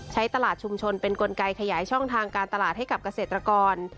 ใช้ตลาดชุมชนเป็นกลไกขยายช่องทางการตลาดให้กับเกษตรกร